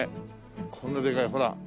こんなでかいほら。